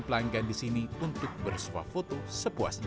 pelanggan di sini untuk berespoa foto sepuasnya